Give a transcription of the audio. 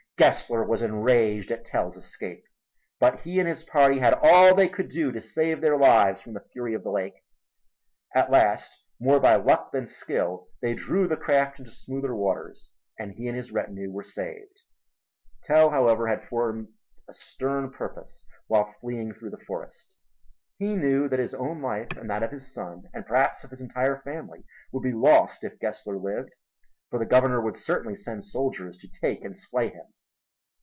Gessler was enraged at Tell's escape, but he and his party had all they could do to save their lives from the fury of the lake. At last, more by luck than skill, they drew the craft into smoother waters and he and his retinue were saved. Tell, however, had formed a stern purpose while fleeing through the forest. He knew that his own life and that of his son and perhaps of his entire family would be lost if Gessler lived, for the Governor would certainly send soldiers to take and slay him.